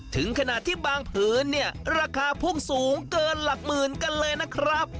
ถึงขนาดที่บางผืนเนี่ยราคาพุ่งสูงเกินหลักหมื่นกันเลยนะครับ